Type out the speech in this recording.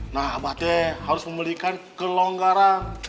nah abah teh harus memilikan kelonggaran